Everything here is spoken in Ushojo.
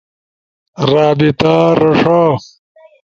رابطہ رݜا